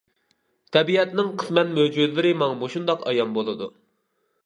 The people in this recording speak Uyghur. تەبىئەتنىڭ قىسمەن مۆجىزىلىرى ماڭا مۇشۇنداق ئايان بولىدۇ.